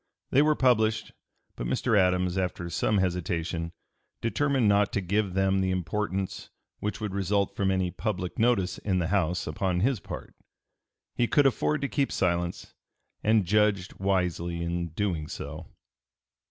They were published, but Mr. Adams, after some hesitation, determined not to give them the importance which would result from any public notice in the House upon his part. He could afford to keep silence, and judged wisely in doing so.